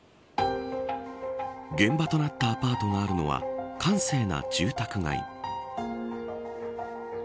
現場となったアパートがあるのは閑静な住宅街。